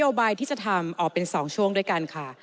โยบายที่จะทำออกเป็น๒ช่วงด้วยกันค่ะ